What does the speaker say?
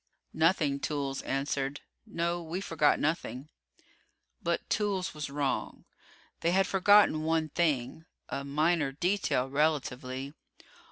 "Nothing," Toolls answered. "No we forgot nothing." But Toolls was wrong. They had forgotten one thing. A minor detail, relatively....